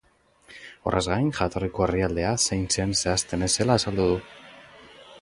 Horrez gain, jatorriko herrialdea zein zen zehazten ez zela azaldu du.